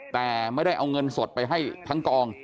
แต่ไม่ได้เอาเงินสดไปให้ทั้งกอง